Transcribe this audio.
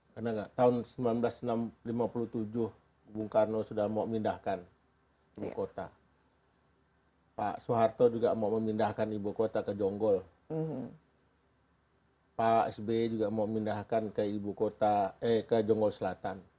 karena tahun seribu sembilan ratus lima puluh tujuh ibu karno sudah mau memindahkan ibu kota pak soeharto juga mau memindahkan ibu kota ke jonggol pak sbe juga mau memindahkan ke jonggol selatan